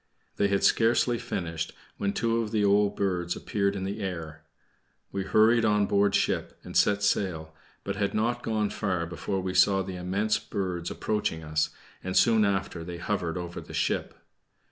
They had scarcely finished when two of the old birds appeared in the air. We hurried on board ship and set sail, but had not gone far before we saw the immense birds approaching us, and soon after they hovered over the ship.